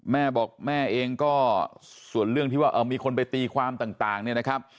แม่บอกแม่เองก็ส่วนเรื่องที่ว่ามีคนไปตีความต่างเนี่ยนะครับ